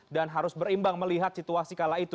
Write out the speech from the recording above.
dan harus berimbang melihat situasi kala itu